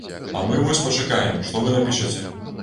А мы вось пачакаем, што вы напішаце.